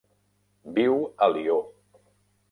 Viu a Lió.